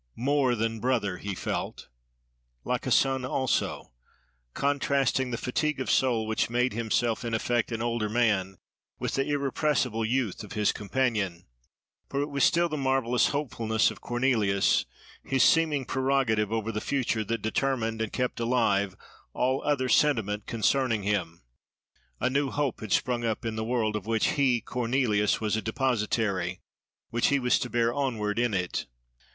"More than brother!"—he felt—like a son also!" contrasting the fatigue of soul which made himself in effect an older man, with the irrepressible youth of his companion. For it was still the marvellous hopefulness of Cornelius, his seeming prerogative over the future, that determined, and kept alive, all other sentiment concerning him. A new hope had sprung up in the world of which he, Cornelius, was a depositary, which he was to bear onward in it.